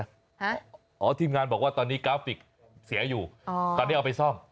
ฮะอ๋อทีมงานบอกว่าตอนนี้กราฟิกเสียอยู่อ๋อตอนนี้เอาไปซ่อม